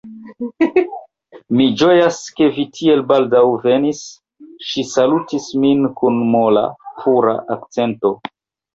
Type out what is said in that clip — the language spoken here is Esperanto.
Mi ĝojas, ke vi tiel baldaŭ venis, ŝi salutis min kun mola, pura akcento.